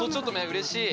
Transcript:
うれしい！